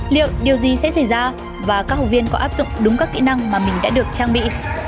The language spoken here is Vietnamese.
liệu điều gì sẽ xảy ra và các học viên có áp dụng đúng các kỹ năng mà mình đã được trang bị